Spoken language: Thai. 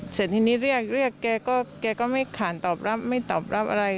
เสร็จทีนี้เรียกเรียกแกก็ไม่ขานตอบรับไม่ตอบรับอะไร